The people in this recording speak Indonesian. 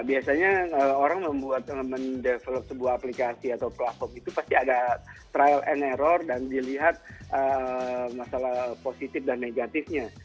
biasanya orang membuat mendevelop sebuah aplikasi atau platform itu pasti ada trial and error dan dilihat masalah positif dan negatifnya